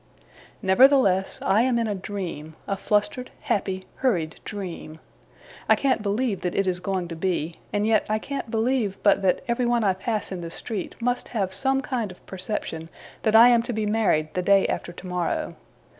Nevertheless, I am in a dream, a flustered, happy, hurried dream. I can't believe that it is going to be; and yet I can't believe but that everyone I pass in the street, must have some kind of perception, that I am to be married the day after tomorrow.